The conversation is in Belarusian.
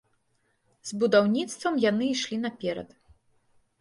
З будаўніцтвам яны ішлі наперад.